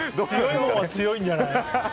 最後も強いんじゃない？